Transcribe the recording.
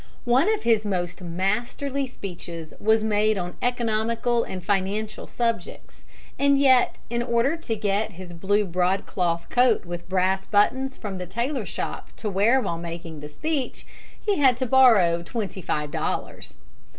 One of his most masterly speeches was made on economical and financial subjects; and yet in order to get his blue broadcloth coat with brass buttons from the tailor shop to wear while making the speech, he had to borrow twenty five dollars.